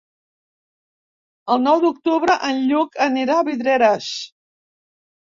El nou d'octubre en Lluc anirà a Vidreres.